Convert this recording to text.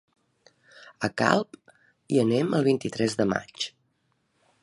A Calp hi anem el vint-i-tres de maig.